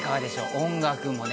音楽もね。